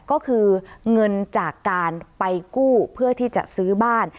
ก็คือเงินจากการไปกู้เพื่อที่จะซื้อบ้าน